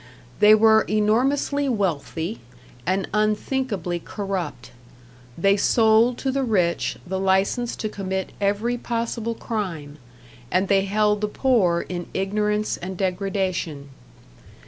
They were enormously wealthy, and unthinkably corrupt; they sold to the rich the license to commit every possible crime, and they held the poor in ignorance and degradation.